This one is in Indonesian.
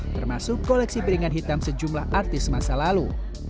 termasuk koleksi piringan hitam sejumlah artis masa lalu